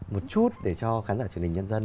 một chút để cho khán giả truyền hình nhân dân